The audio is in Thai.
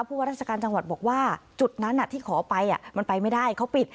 ว่าราชการจังหวัดบอกว่าจุดนั้นที่ขอไปมันไปไม่ได้เขาปิด